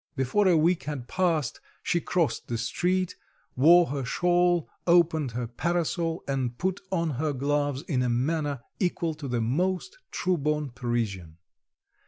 Before a week had passed, she crossed the street, wore her shawl, opened her parasol, and put on her gloves in a manner equal to the most true born Parisian.